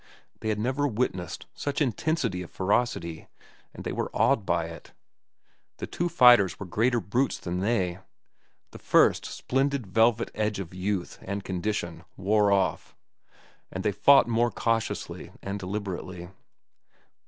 They had never witnessed such intensity of ferocity, and they were awed by it. The two fighters were greater brutes than they. The first splendid velvet edge of youth and condition wore off, and they fought more cautiously and deliberately.